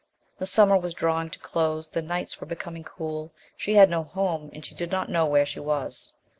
The summer was drawing to a close; the nights were becoming cool, she had no home, and she did not know where she was.